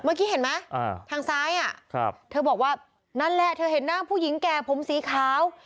เมื่อกี้เห็นไหมทางซ้ายเธอบอกว่านั่นแหละเธอเห็นหน้าผู้หญิงแก่ผมสีขาว